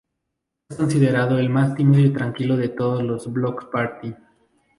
Es considerado el más tímido y tranquilo de todos los Bloc Party.